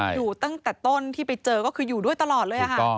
อยู่ตั้งแต่ต้นที่ไปเจอก็คืออยู่ด้วยตลอดเลยค่ะ